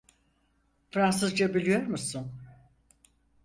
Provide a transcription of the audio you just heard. Fransızca biliyor musun?